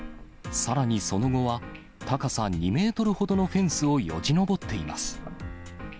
さらにその後は、高さ２メートルほどのフェンスをよじ登っています。